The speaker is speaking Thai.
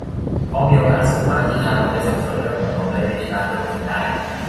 เพราะมีโอกาสสูงมากที่ทารกจะสับสนเรื่องหัวนมและวิธีการดูดนมได้